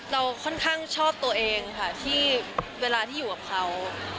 เราค่อนข้างชอบตัวเองค่ะที่เวลาที่อยู่กับเขา